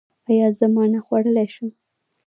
ایا زه مڼه خوړلی شم؟